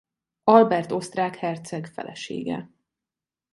Albert osztrák herceg felesége.